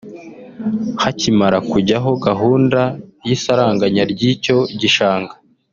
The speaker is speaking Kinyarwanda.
Hakimara kujyaho gahunda y’isaranganya ry’icyo gishanga